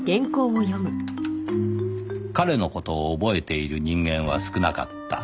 “彼”の事を覚えている人間は少なかった